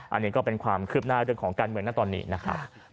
อันนี้ก็เป็นความคืบหน้าเรื่องของการเมืองนะตอนนี้นะครับ